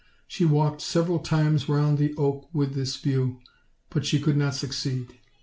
She walked several times round the oak with this view, but she could not succeed.